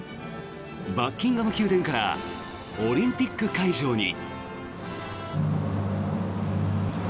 バッキンガム宮殿からオリンピック会場に。